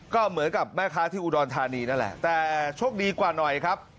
ก็เหมือนกับแม่ค้าที่อุดรธานีนั่นแหละแต่โชคดีกว่าหน่อยครับ